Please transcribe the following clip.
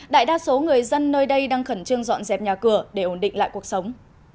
đại đa số người dân nơi đây đang khẩn trương dọn dẹp nhà cửa để ổn định lại cuộc sống